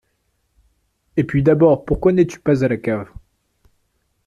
Et puis, d'abord, pourquoi n'es-tu pas à la cave ?